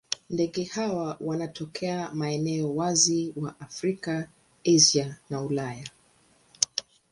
Ndege hawa wanatokea maeneo wazi wa Afrika, Asia na Ulaya.